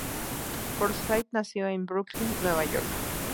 Forsythe nació en Brooklyn, Nueva York.